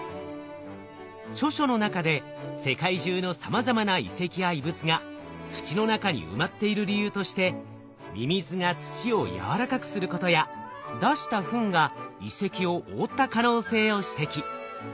著書の中で世界中のさまざまな遺跡や遺物が土の中に埋まっている理由としてミミズが土をやわらかくすることや出したフンが遺跡を覆った可能性を指摘。